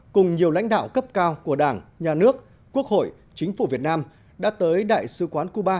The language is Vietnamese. cùng nhiều lãnh đạo cấp cao của đảng nhà nước quốc hội chính phủ việt nam đã tới đại sứ quán cuba